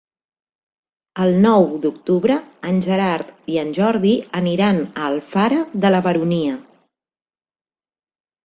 El nou d'octubre en Gerard i en Jordi aniran a Alfara de la Baronia.